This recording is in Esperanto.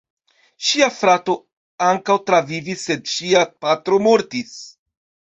Ŝia frato ankaŭ travivis, sed ŝia patro mortis.